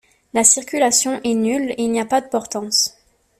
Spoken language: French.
La circulation est nulle et il n'y a pas de portance.